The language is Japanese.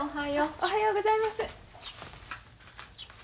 おはようございます。